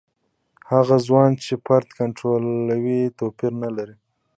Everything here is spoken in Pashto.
هغه ځواک چې فرد کنټرولوي توپیر نه لري.